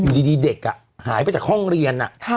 อยู่ดีเด็กอ่ะหายไปจากห้องเรียนอ่ะ